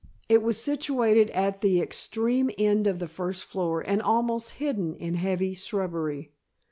It was situated at the extreme end of the first floor and almost hidden in heavy shrubbery.